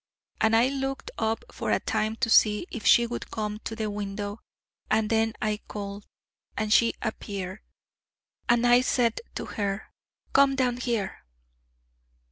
And I looked up for a time to see if she would come to the window, and then I called, and she appeared. And I said to her: 'Come down here.'